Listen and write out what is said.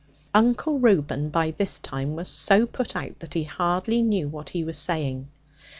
Uncle Reuben, by this time, was so put out, that he hardly knew what he was saying.